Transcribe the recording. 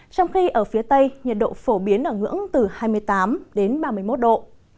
trong khi ở phía tây nhiệt độ phổ biến ở ngưỡng từ hai mươi tám đến ba mươi một độ